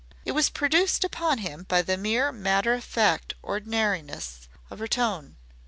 It was produced upon him by the mere matter of fact ordinariness of her tone.